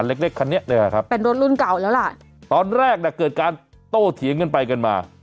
เล็กเล็กคันนี้นี่แหละครับเป็นรถรุ่นเก่าแล้วล่ะตอนแรกน่ะเกิดการโต้เถียงกันไปกันมา